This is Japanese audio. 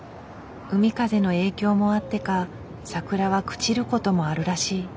海風の影響もあってか桜は朽ちることもあるらしい。